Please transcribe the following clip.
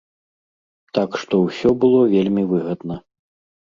Так што ўсё было вельмі выгадна.